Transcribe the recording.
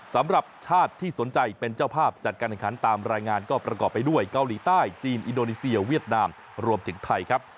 สำหรับชาติที่สนใจเป็นเจ้าภาพจัดการแข่งขันตามรายงานก็ประกอบไปด้วยเกาหลีใต้จีนอินโดนีเซียเวียดนามรวมถึงไทยครับ